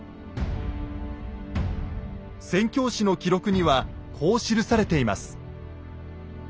宣教師の記録にはこう記されています。